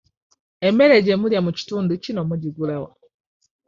Emmere gye mulya mu kitundu kino mugigula wa?